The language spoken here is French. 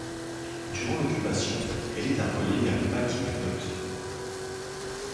Durant l’occupation, elle est un relais vers les maquis du Lot.